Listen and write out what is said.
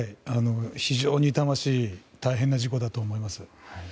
非常に痛ましい大変な事故だと思います。